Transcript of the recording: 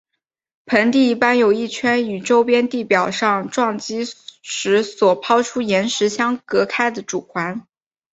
盆地一般有一圈与周边地表上撞击时所抛出岩石相隔开的主环。